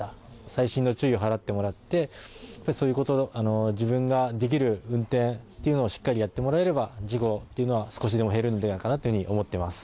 細心の注意を払ってもらって、やっぱりそういうこと、自分ができる運転というのをしっかりやってもらえれば、事故というのは少しでも減るのではないかなというふうに思ってます。